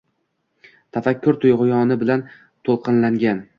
Tafakkur tug‘yoni bilan to‘lqinlangan.